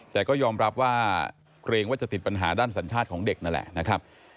แต่ก็ยอมรับว่าเกรงว่าจะติดปัญหาด้านสัญชาติของเด็กนั่นแหละนะครับ